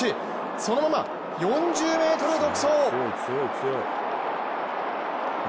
そのまま４０ｍ独走！